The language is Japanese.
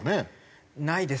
ないです。